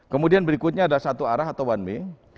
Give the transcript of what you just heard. kemudian berikutnya ada satu arah atau one way